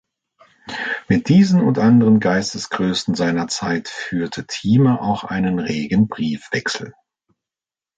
Mit diesen und anderen Geistesgrößen seiner Zeit führte Thieme auch einen regen Briefwechsel.